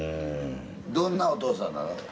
どんなお父さんなの？